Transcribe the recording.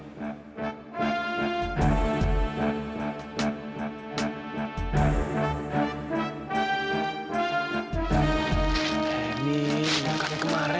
ini bukannya kemarin